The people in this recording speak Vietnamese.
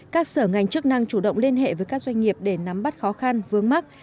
các sở ngành chức năng chủ động liên hệ với các doanh nghiệp để nắm bắt khó khăn vướng mắt